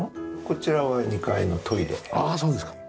こちらは２階のトイレですね。